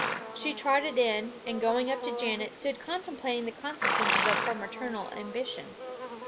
She trotted in, and going up to Janet, stood contemplating the consequences of her maternal ambition.